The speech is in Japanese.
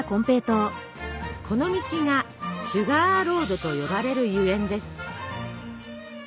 この道が「シュガーロード」と呼ばれるゆえんです。